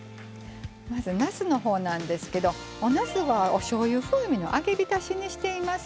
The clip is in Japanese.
まずなすの方なんですけどおなすはおしょうゆ風味の揚げびたしにしています。